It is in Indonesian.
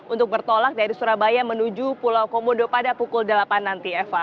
untuk bertolak dari surabaya menuju pulau komodo pada pukul delapan nanti eva